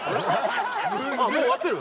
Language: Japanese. あっもう終わってる。